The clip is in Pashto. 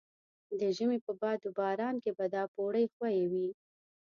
د ژمي په باد و باران کې به دا پوړۍ ښویې وې.